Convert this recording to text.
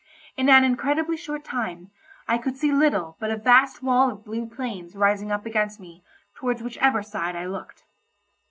In an incredibly short time, I could see little but a vast wall of blue plains rising up against me, towards whichever side I looked.